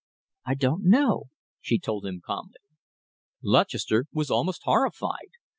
"I don't know," she told him calmly. Lutchester was almost horrified.